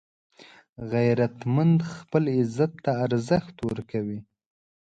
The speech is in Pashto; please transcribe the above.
غیرتمند خپل عزت ته ارزښت ورکوي